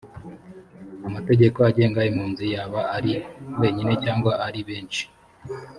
amategeko agenga impunzi yaba ari wenyine cyangwa ari benshi